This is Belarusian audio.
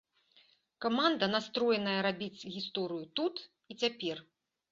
Каманда настроеная рабіць гісторыю тут і цяпер.